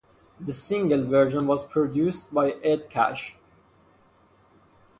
The single version was produced by Ed Cash.